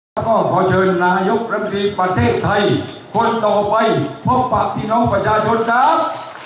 แล้วก็ขอเชิญนายกรัมตรีประเทศไทยคนต่อไปพบปากพี่น้องประชาชนครับ